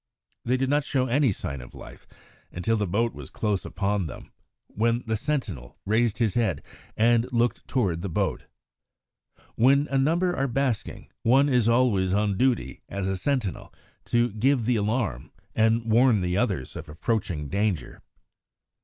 They did not show any sign of life until the boat was close upon them, when the sentinel raised his head and looked towards the boat. When a number are basking, one is always on duty as a sentinel to give the alarm and warn the others of approaching danger.